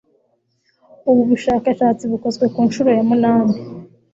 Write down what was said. ubu bushakashatsi bukozwe ku nshuro ya munani